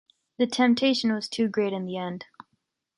The temptation was too great in the end.